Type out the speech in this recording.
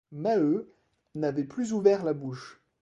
Maheu n'avait plus ouvert la bouche.